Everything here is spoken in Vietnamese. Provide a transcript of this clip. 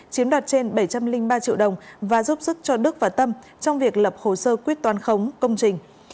chiếm đoạt trên bảy trăm linh ba triệu đồng và giúp sức cho đức và tâm trong việc lập hồ sơ quyết toán khống công trình